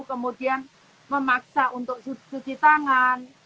kemudian memaksa untuk cuci tangan